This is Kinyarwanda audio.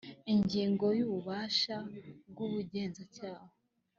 ingingo ya ububasha bw ubugenzacyaha